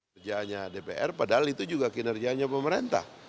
kerjaannya dpr padahal itu juga kinerjanya pemerintah